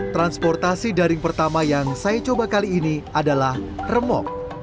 transportasi daring pertama yang saya coba kali ini adalah remok